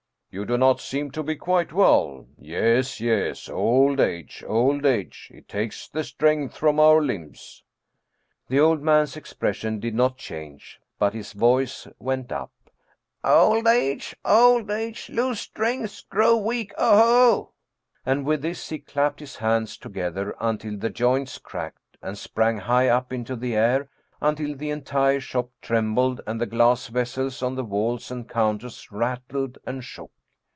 " You do not seem to be quite well. Yes, yes, old age, old age ! It takes the strength from our limbs." The old man's expression did not change, but his voice went up :" Old age ? Old age ? Lose strength ? Grow weak ? Oho !" And with this he clapped his hands together un til the joints cracked, and sprang high up into the air until the entire shop trembled and the glass vessels on the walls and counters rattled and shook.